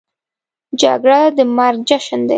جګړه د مرګ جشن دی